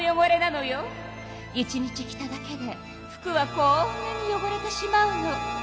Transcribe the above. １日着ただけで服はこんなによごれてしまうの。